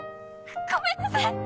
ごめんなさい！